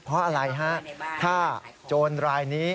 เพราะอะไรฮะถ้าโจรรายนี้